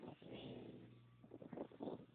Ingresó al Organismo Judicial por concurso.